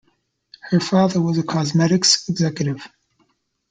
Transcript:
Her father was a cosmetics executive.